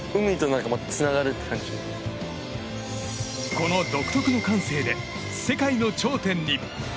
この独特の感性で世界の頂点に。